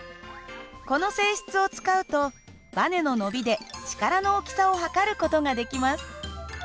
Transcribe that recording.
この性質を使うとばねの伸びで力の大きさを測る事ができます。